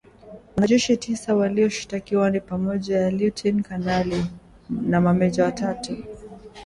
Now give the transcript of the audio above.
Wanajeshi tisa walioshtakiwa ni pamoja na lutein kanali na mameja watatu